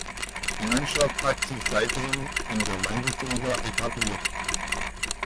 Die Mannschaft hat sich seitdem in der Landesliga etabliert.